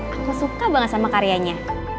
aku suka banget sama karyanya